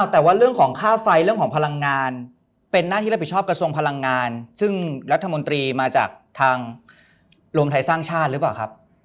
แต่ว่าเรื่องของค่าไฟเรื่องของพลังงานเป็นหน้าที่รับผิดชอบกระทรวงพลังงานซึ่งรัฐมนตรีมาจากทางรวมไทยสร้างชาติหรือเปล่าครับ